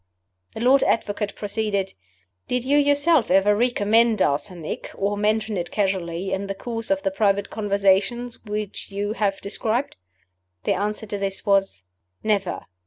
The Lord Advocate proceeded: "Did you yourself ever recommend arsenic, or mention it casually, in the course of the private conversations which you have described?" The answer to this was, "Never."